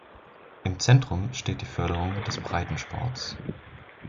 Im Zentrum steht die Förderung des Breitensports.